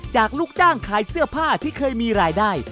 ลูกจ้างขายเสื้อผ้าที่เคยมีรายได้